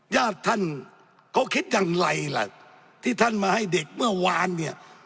ญาติท่านเขาคิดอย่างไรล่ะที่ท่านมาให้เด็กเมื่อวานเนี่ย